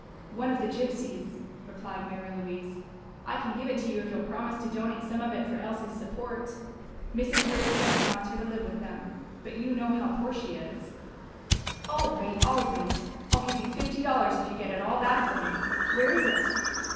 "One of the gypsies," replied Mary Louise. "I can give it to you if you'll promise to donate some of it for Elsie's support. Mrs. Grace Grant wants her to live with them, but you know how poor she is now." "All right, all right, I'll give you fifty dollars if you get it all back for me! Where is it?"